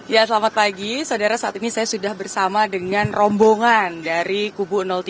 ya selamat pagi saudara saat ini saya sudah bersama dengan rombongan dari kubu tiga